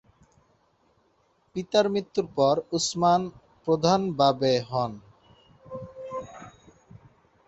পিতার মৃত্যুর পর উসমান প্রধান বা বে হন।